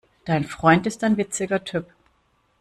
Dein Freund ist ein witziger Typ.